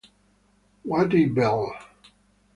Whitey Bell